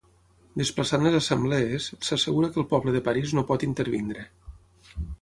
Desplaçant les assemblees, s'assegura que el poble de París no pot intervenir.